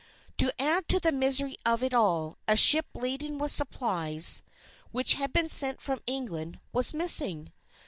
To add to the misery of it all, a ship laden with supplies, which had been sent from England, was missing.